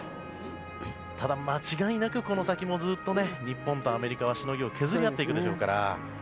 ただ、間違いなくこの先もずっと日本とアメリカは、しのぎを削り合っていくでしょうから。